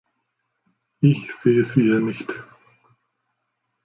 Ich sehe sie hier nicht.